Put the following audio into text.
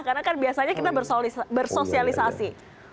karena kan biasanya kita bersosialisasi